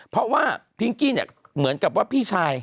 เพราะว่าพิงกี้เนี่ยเหมือนกับว่าพี่ชาย